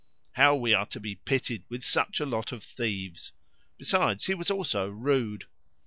How we are to be pitied with such a lot of thieves! Besides, he was also rude.